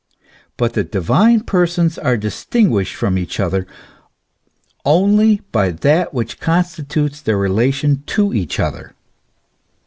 But the divine persons are distinguished from each other only by that which constitutes their relation to each other.